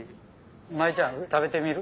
舞ちゃん食べてみる？